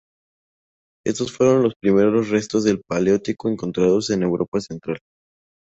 Estos fueron los primeros restos del Paleolítico encontrados en Europa Central.